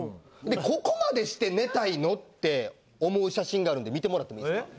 ここまでして寝たいの？って思う写真があるんで見てもらってもいいっすか？